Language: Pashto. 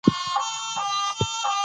تاسو باید اور بل کړئ.